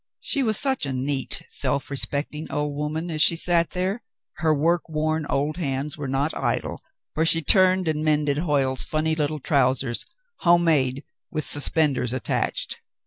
She was such a neat, self respecting old woman as she sat there. Her work worn old hands were not idle, for she turned and mended Hoyle's funny little trousers, home made, with suspenders attached.